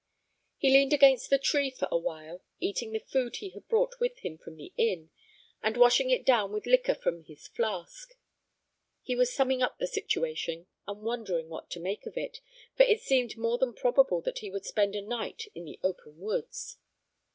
He leaned against the tree for a while, eating the food he had brought with him from the inn, and washing it down with liquor from his flask. He was summing up the situation, and wondering what to make of it, for it seemed more than probable that he would spend a night in the open woods.